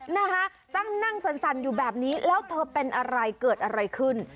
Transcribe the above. นะคะนั่งสั่นอยู่แบบนี้แล้วเธอเป็นอะไรเกิดอะไรขึ้น